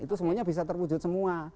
itu semuanya bisa terwujud semua